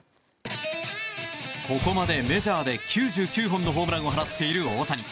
ここまでメジャーで９９本のホームランを放っている大谷。